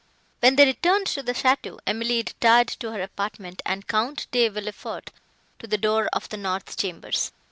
When they returned to the château, Emily retired to her apartment, and Count De Villefort to the door of the north chambers.